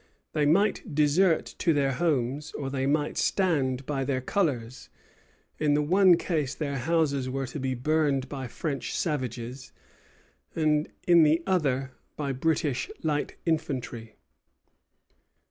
They might desert to their homes, or they might stand by their colors; in the one case their houses were to be burned by French savages, and in the other by British light infantry.